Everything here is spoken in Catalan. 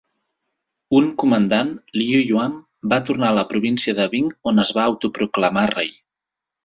Un comandant, Liu Yuan, va tornar a la província de Bing on es va autoproclamar rei.